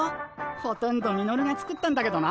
ほとんどミノルが作ったんだけどな。